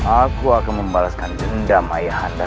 aku akan membalaskan dendam ayah anda